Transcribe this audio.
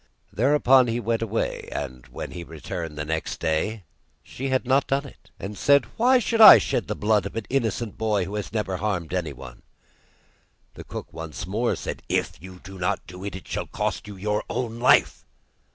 Thereupon he went away, and when he returned next day she had not done it, and said: 'Why should I shed the blood of an innocent boy who has never harmed anyone?' The cook once more said: 'If you do not do it, it shall cost you your own life.